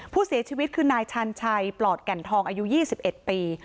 ผู้เสียชีวิตคือนายชันชัยปลอดแก่นทองอายุ๒๑ปี